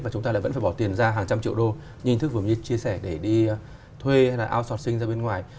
và chúng ta lại vẫn phải bỏ tiền ra hàng trăm triệu đô như thức vừa mới chia sẻ để đi thuê hay là outsourcing ra bên ngoài